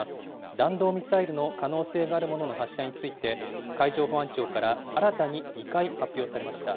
弾道ミサイルの可能性があるものの発射について、海上保安庁から新たに２回発表されました。